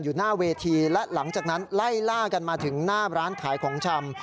หน้าเวทีและหลังจากนั้นไล่ล่ากันมาถึงหน้าร้านขายของชำ